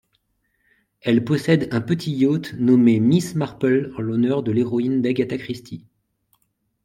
Elle possède un petit yacht nommé Miss Marple en l'honneur de l'héroïne d'Agatha Christie.